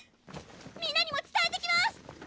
みんなにも伝えてきます！